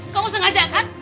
kamu sengaja kan